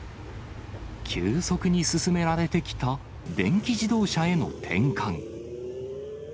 急速に進められてきた電気自動車への転換。